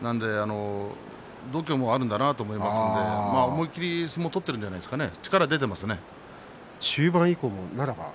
度胸もあるんだなと思いますので思い切り相撲を取っているんじゃないですかね。